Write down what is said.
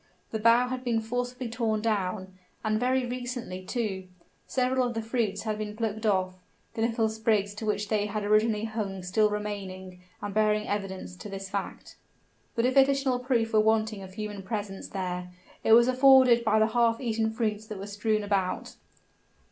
The bough had been forcibly torn down, and very recently, too; several of the fruits had been plucked off, the little sprigs to which they had originally hung still remaining and bearing evidence to the fact. But if additional proof were wanting of human presence there, it was afforded by the half eaten fruits that were strewed about.